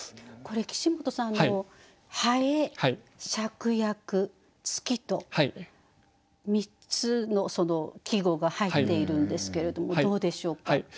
岸本さん「蠅」「芍薬」「月」と３つの季語が入っているんですけれどもどうでしょうか？